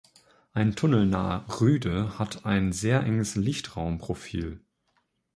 Ein Tunnel nahe Ryde hat ein sehr enges Lichtraumprofil.